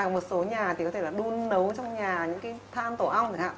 một số nhà thì có thể là đun nấu trong nhà những than tổ ong